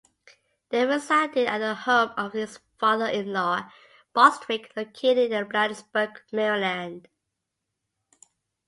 They resided at the home of his father-in-law, Bostwick, located at Bladensburg, Maryland.